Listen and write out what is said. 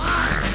aku mau lihat